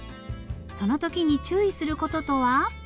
その時に注意する事とは？